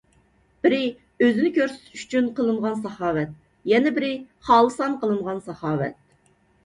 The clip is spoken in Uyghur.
بىرى، ئۆزىنى كۆرسىتىش ئۈچۈن قىلىنغان ساخاۋەت. يەنە بىرى، خالىسانە قىلىنغان ساخاۋەت.